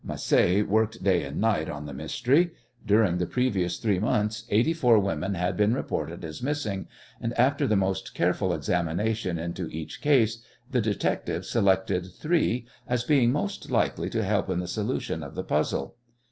Macé worked day and night on the mystery. During the previous three months eighty four women had been reported as missing, and after the most careful examination into each case the detective selected three as being most likely to help in the solution of the puzzle.